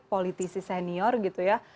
politisi senior gitu ya